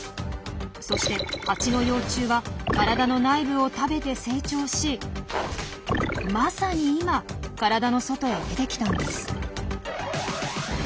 そしてハチの幼虫は体の内部を食べて成長しまさに今体の外へ出てきたんです。